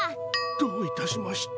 どういたしまして。